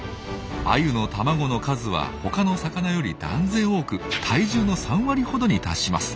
アユの卵の数は他の魚より断然多く体重の３割ほどに達します。